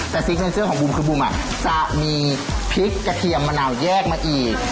แต่ซิกเนเจอร์ของบุ๋มคือบุ๋มจะมีพริกกระเทียมมะนาวแยกมาอีก